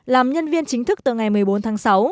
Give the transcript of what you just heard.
làm nhân viên chính thức từ ngày một mươi bốn tháng sáu